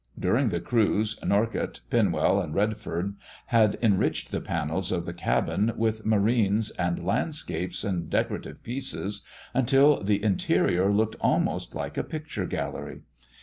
During the cruise, Norcott, Pinwell, and Redfern had enriched the panels of the cabin with marines and landscapes and decorative pieces until the interior looked almost like a picture gallery.